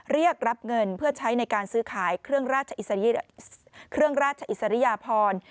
เรียกรับเงินเพื่อใช้ในการซื้อขายเครื่องราชอิสริยพร